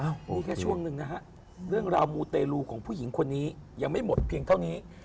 นี่แค่ช่วงหนึ่งนะฮะเรื่องราวมูเตรลูของผู้หญิงคนนี้ยังไม่หมดเพียงเท่านี้